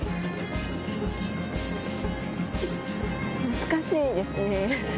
懐かしいですね。